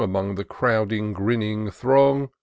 Among the crowding, grinning throng.